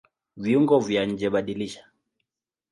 Viungo vya njeBadilisha